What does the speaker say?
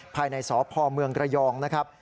ภายในสพเมืองระยองนะครับ